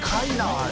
あれ？